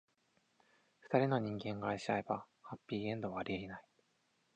二人の人間が愛し合えば、ハッピーエンドはありえない。